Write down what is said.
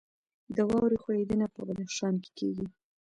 د واورې ښویدنه په بدخشان کې کیږي